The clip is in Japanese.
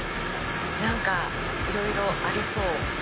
何かいろいろありそう！